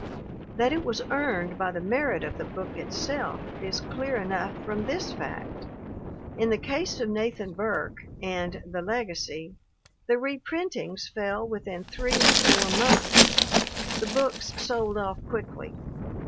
That it was earned by the merit of the book itself is clear enough from this fact: In the case of Nathan Burke and The Legacy the reprintings fell within three or four months; the books sold off quickly.